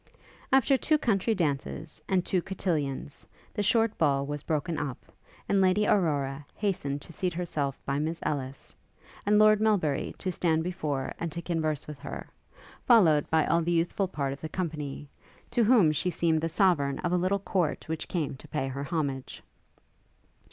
After two country dances, and two cotillons, the short ball was broken up, and Lady Aurora hastened to seat herself by Miss Ellis, and Lord Melbury to stand before and to converse with her, followed by all the youthful part of the company, to whom she seemed the sovereign of a little court which came to pay her homage.